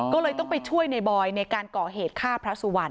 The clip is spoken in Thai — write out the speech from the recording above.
ก็เลยต้องไปช่วยในบอยในการก่อเหตุฆ่าพระสุวรรณ